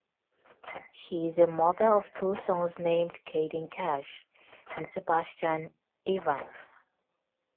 She is a mother of two sons named Kayden Cash and Sebastian Evans.